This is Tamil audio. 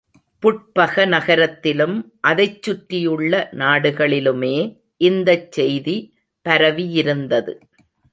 புட்பக நகரத்திலும் அதைச் சுற்றியுள்ள நாடுகளிலுமே இந்தச் செய்தி பரவியிருந்தது.